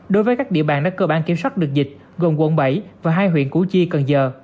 đối với các địa bàn đã cơ bản kiểm soát được dịch gồm quận bảy và hai huyện củ chi cần giờ